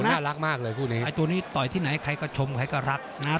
น่ารักมากเลยคู่นี้ไอ้ตัวนี้ต่อยที่ไหนใครก็ชมใครก็รักนะครับ